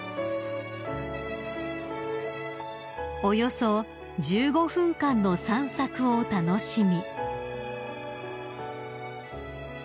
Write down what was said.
［およそ１５分間の散策を楽しみ］